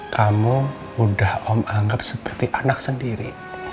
kamu udah om anggap seperti anak sendiri